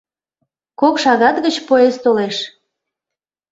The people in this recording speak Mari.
— Кок шагат гыч поезд толеш.